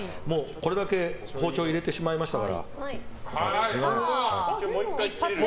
これだけ包丁入れてしまいましたから。